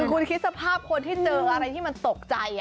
คุณคิดสภาพคนที่เจออะไรที่มันตกใจ